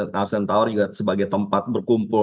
nasdem tower juga sebagai tempat berkumpul